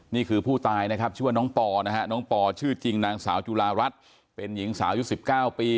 นี่คือผู้ตายนะครับชื่อว่าน้องปอนะฮะน้องปอชื่อจริงนางสาวจุฬารัฐเป็นหญิงสาวยุค๑๙ปี